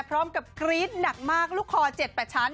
พร้อมกับกรี๊ดหนักมากลูกคอ๗ประชั้น